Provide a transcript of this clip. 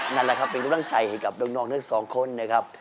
นั่นแหละครับเป็นรู้ต้องใจให้กับน้อง๒คนนะครับ